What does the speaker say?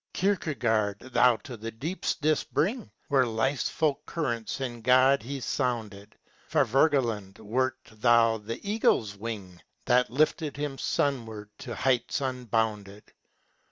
Kierkegaard thou to the deeps didst bring, Where life's full currents in God he sounded. For Wergeland wert thou the eagle's wing, That lifted him sunward to heights unbounded.